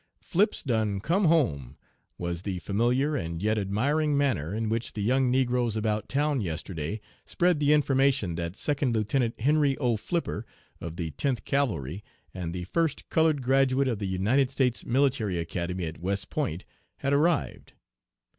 "'Flip's done come home!' was the familiar, and yet admiring manner in which the young negroes about town yesterday spread the information that Second Lieutenant Henry O. Flipper, of the Tenth Cavalry, and the first colored graduate of the United States Military Academy at West Point, had arrived.